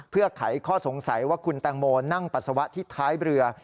เพื่อไขข้อสงสัยว่าคุณแตงโมนั่งปัสสาวะที่ท้ายเรือ